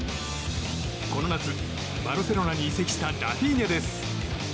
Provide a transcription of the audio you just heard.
この夏、バルセロナに移籍したラフィーニャです。